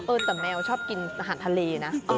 แต่แมวชอบกินอาหารทะเลนะ